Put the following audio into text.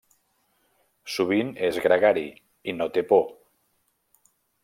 Sovint és gregari i no té por.